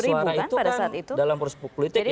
ya sumbangsi suara itu kan dalam proses politik ya karena